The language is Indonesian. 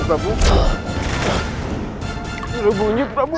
tidur bunyi paman